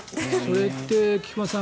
それって菊間さん